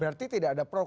berarti tidak ada problem